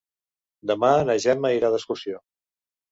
Demà na Gemma irà d'excursió.